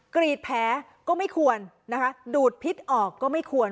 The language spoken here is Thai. กรีดแผลก็ไม่ควรนะคะดูดพิษออกก็ไม่ควร